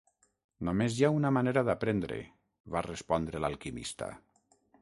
"Només hi ha una manera d'aprendre", va respondre l'alquimista.